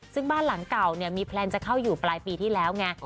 ซึ่งบ้านหลังเก่าเนี่ยมีแพลนจะเข้าอยู่ปลายปีที่แล้วไง